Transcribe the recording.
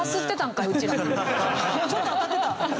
ちょっと当たってた。